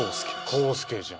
康助じゃん。